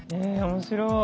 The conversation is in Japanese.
面白い。